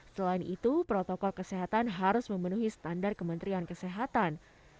selain itu protokol kesehatan harus memenuhi standar kementerian kesehatan